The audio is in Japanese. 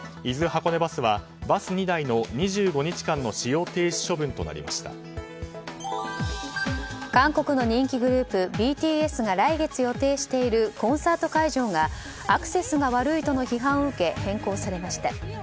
箱根バスはバス２台の２５日間の使用停止処分と韓国の人気グループＢＴＳが来月予定しているコンサート会場がアクセスが悪いとの批判を受け変更されました。